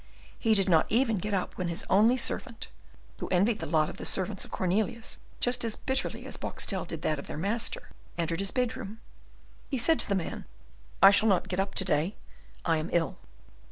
He did not even get up when his only servant who envied the lot of the servants of Cornelius just as bitterly as Boxtel did that of their master entered his bedroom. He said to the man, "I shall not get up to day, I am ill."